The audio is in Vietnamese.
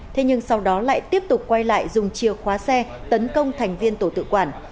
thế nhưng sau đó lại tiếp tục quay lại dùng chìa khóa xe tấn công thành viên tổ tự quản